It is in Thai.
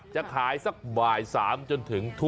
จะขายสักบ่าย๓จนถึงทุ่ม